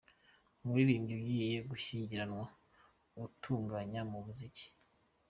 Umuririmbyi ugiye gushyingiranwa utunganya mu muziki